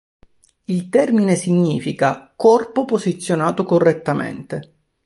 Il termine significa "corpo posizionato correttamente".